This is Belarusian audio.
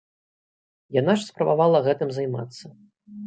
Яна ж спрабавала гэтым займацца.